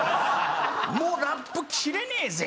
もうラップ切れねえぜ！